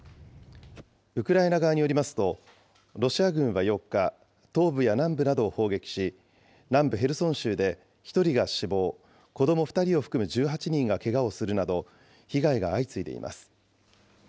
ウクライナ側によりますと、ロシア軍は８日、東部や南部などを砲撃し、南部ヘルソン州で１人が死亡、子ども２人を含む１８人がけがをするなど、被害が相次いでいます。